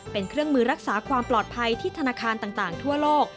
เป็นเครื่องมือรักษาความปลอดภัยที่ธนาคารต่างทั่วโลก